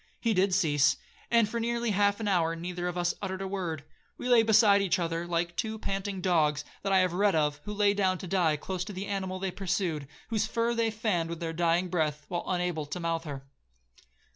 He did cease, and for nearly half an hour neither of us uttered a word. We lay beside each other like two panting dogs that I have read of, who lay down to die close to the animal they pursued, whose fur they fanned with their dying breath, while unable to mouthe her.